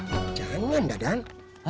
eh jangan dadang